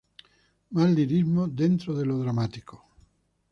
Más lirismo dentro de lo dramático.